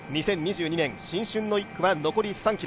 ２０２２年新春の１区は残り３ｋｍ。